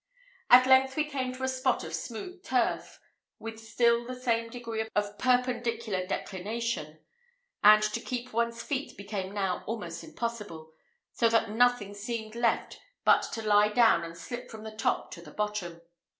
At length we came to a spot of smooth turf, with still the same degree of perpendicular declination; and to keep one's feet became now almost impossible; so that nothing seemed left but to lie down and slip from the top to the bottom.